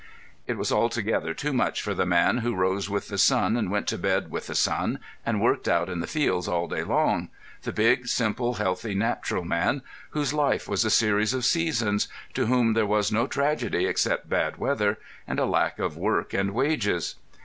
'" It was altogether too much for the man who rose with the sun and went to bed with the sun and worked out in the fields all day long; the big, simple, healthy, natural man, whose life was a series of seasons, to whom there was no tragedy except bad weather, and a lack of work and wages.